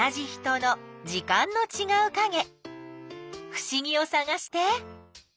ふしぎをさがして！